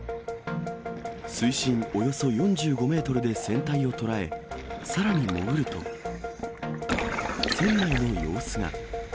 水深およそ４５メートルで船体を捉え、さらに潜ると、船内の様子が。